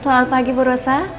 selamat pagi bu rosa